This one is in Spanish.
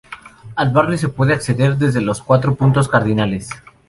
Al barrio se puede acceder desde los cuatro puntos cardinales.